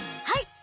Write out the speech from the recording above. はい！